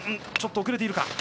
ちょっと遅れているか。